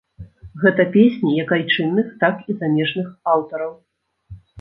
Гэта песні як айчынных, так і замежных аўтараў.